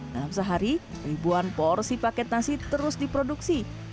dalam sehari ribuan porsi paket nasi terus diproduksi